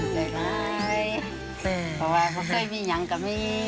เพราะว่าเคยมีอย่างกับมี